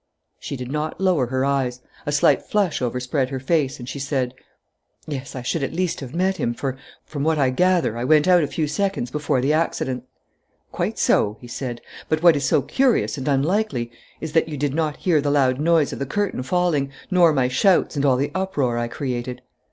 She did not lower her eyes. A slight flush overspread her face, and she said: "Yes, I should at least have met him, for, from what I gather, I went out a few seconds before the accident." "Quite so," he said. "But what is so curious and unlikely is that you did not hear the loud noise of the curtain falling, nor my shouts and all the uproar I created."